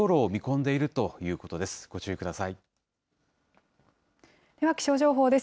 では気象情報です。